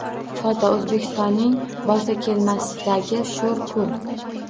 Foto: O‘zbekistonning Borsakelmasidagi sho‘r ko‘l